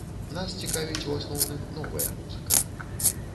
Нас цікавіць, у асноўным, новая музыка.